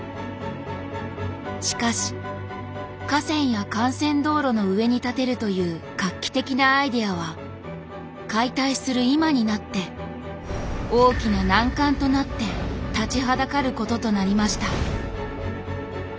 しかし河川や幹線道路の上に建てるという画期的なアイデアは解体する今になって大きな難関となって立ちはだかることとなりました。